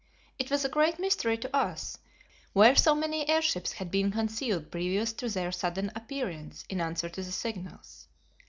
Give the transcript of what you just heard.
It was a great mystery to us where so many airships had been concealed previous to their sudden appearance in answer to the signals.